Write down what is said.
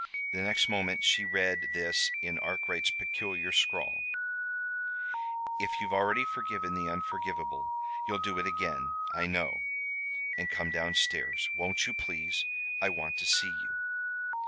The next moment she read this in Arkwright's peculiar scrawl: "If you've already forgiven the unforgivable, you'll do it again, I know, and come down stairs. Won't you, please? I want to see you."